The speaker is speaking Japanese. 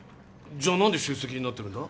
じゃあ何で出席になってるんだ？